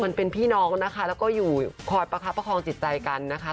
มันเป็นพี่น้องนะคะแล้วก็อยู่คอยประคับประคองจิตใจกันนะคะ